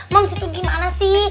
moms itu gimana sih